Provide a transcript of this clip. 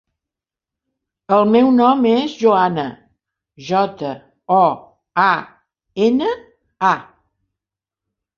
El meu nom és Joana: jota, o, a, ena, a.